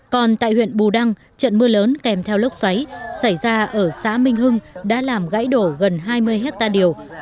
còn tại huyện bù đăng trận mưa lớn kèm theo lốc xoáy xảy ra ở xã minh hưng đã làm gãy đổ gần hai mươi hectare điều